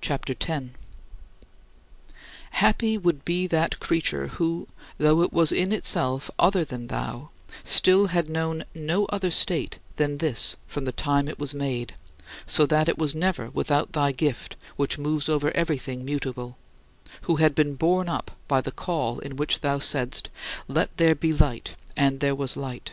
CHAPTER X 11. Happy would be that creature who, though it was in itself other than thou, still had known no other state than this from the time it was made, so that it was never without thy gift which moves over everything mutable who had been borne up by the call in which thou saidst, "Let there be light: and there was light."